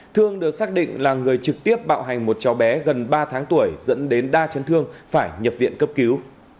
thương được xác định là người trực tiếp bạo hành một cháu bé gần ba tháng tuổi dẫn đến đa chấn thương phải nhập viện cấp cứu